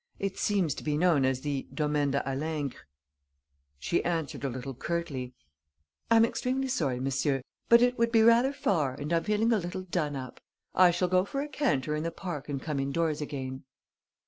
It seems to be known as the Domaine de Halingre." She answered a little curtly: "I'm extremely sorry, monsieur, but it would be rather far and I'm feeling a little done up. I shall go for a canter in the park and come indoors again."